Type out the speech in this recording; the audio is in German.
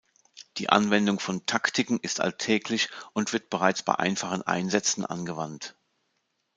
Die Anwendung von Taktiken ist alltäglich und wird bereits bei einfachen Einsätzen angewandt.